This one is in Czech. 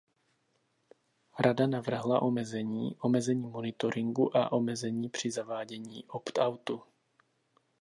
Rada navrhla omezení, omezení monitoringu a omezení při zavádění opt-outu.